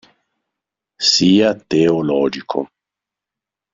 Sia teologico.